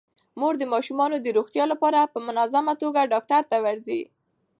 مور د ماشومانو د روغتیا لپاره په منظمه توګه ډاکټر ته ورځي.